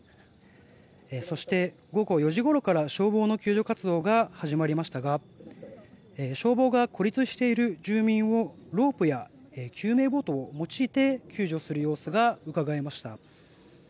そして、午後４時ごろから消防の救助活動が始まりましたが消防が孤立している住民をロープや救命ボートを用いて救助する様子がうかがえました。